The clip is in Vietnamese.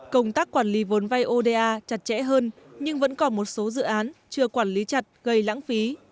công tác quản lý vốn vay oda chặt chẽ hơn nhưng vẫn còn một số dự án chưa quản lý chặt gây lãng phí